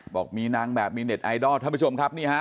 บอกมีนางแบบมีเน็ตไอดอลท่านผู้ชมครับนี่ฮะ